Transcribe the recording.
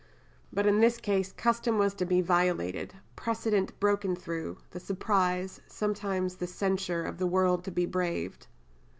But in this case custom was to be violated, precedent broken through, the surprise, sometimes the censure of the world to be braved.